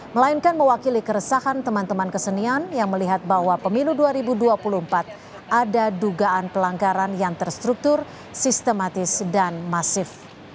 melainkan mewakili keresahan teman teman kesenian yang melihat bahwa pemilu dua ribu dua puluh empat ada dugaan pelanggaran yang terstruktur sistematis dan masif